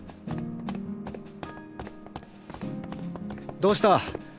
どうした？